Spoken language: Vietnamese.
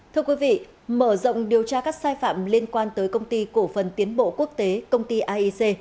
thưa quý vị mở rộng điều tra các sai phạm liên quan tới công ty cổ phần tiến bộ quốc tế công ty aic